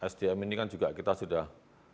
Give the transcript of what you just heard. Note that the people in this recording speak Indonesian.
sdm ini kan juga kita sudah